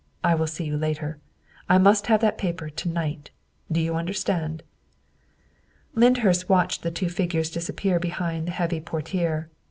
I will see you later. I must have that paper to night. Do you understand?" Lyndhurst watched the two figures disappear behind the heavy portiere.